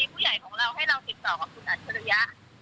ผู้ใหญ่ของเราให้เราติดต่อกับคุณอัจฉริยะ